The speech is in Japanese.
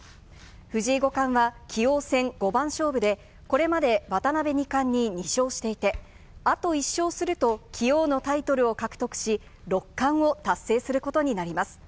藤井五冠は、棋王戦五番勝負でこれまで渡辺二冠に２勝していて、あと１勝すると、棋王のタイトルを獲得し、六冠を達成することになります。